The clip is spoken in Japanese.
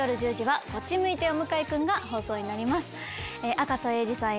赤楚衛二さん